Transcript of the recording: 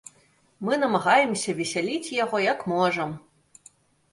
Мы намагаемся весяліць яго, як можам.